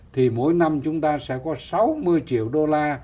thì mỗi năm chúng ta sẽ có sáu mươi triệu đô la